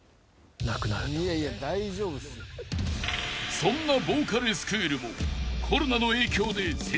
［そんなボーカルスクールも］